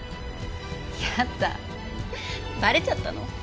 やだバレちゃったの？